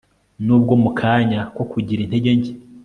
Nubwo mu kanya ko kugira intege nke